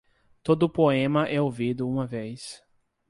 Todo poema é ouvido uma vez.